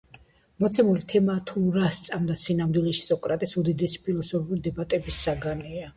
მოცემული თემა, თუ რა სწამდა სინამდვილეში სოკრატეს, უდიდესი ფილოსოფიური დებატების საგანია.